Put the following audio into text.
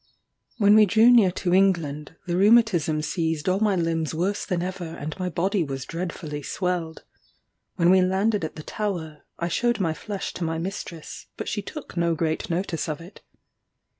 When we drew near to England, the rheumatism seized all my limbs worse than ever, and my body was dreadfully swelled. When we landed at the Tower, I shewed my flesh to my mistress, but she took no great notice of it.